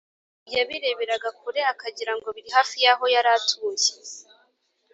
yabireberaga kure akagira ngo biri hafi y’aho yari atuye